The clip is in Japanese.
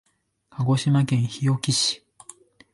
鹿児島県日置市